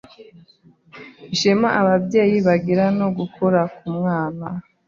ishema ababyeyi bagira nugukura ku mwana